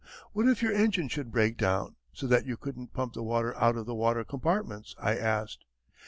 "What if your engine should break down, so that you couldn't pump the water out of the water compartments?" I asked.